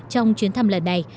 trong chuyến thăm lần này